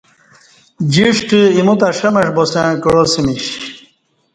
جݜٹ ایموتہ ݜمݜ باسݩع کعاسیمش